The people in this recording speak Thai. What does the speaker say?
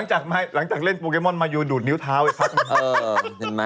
หลังจากเล่นโปรแกมอนมายูดูดนิ้วเท้าเถอะ